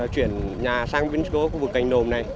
chuyển nhà sang khu vực cành đồn này